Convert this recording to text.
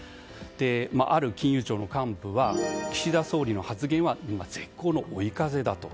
ある金融庁の幹部は岸田総理の発言は絶好の追い風だと。